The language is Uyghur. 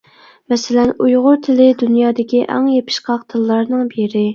مەسىلەن، ئۇيغۇر تىلى دۇنيادىكى ئەڭ يېپىشقاق تىللارنىڭ بىرى.